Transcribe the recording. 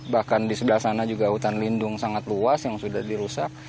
bahkan di sebelah sana juga hutan lindung sangat luas yang sudah dirusak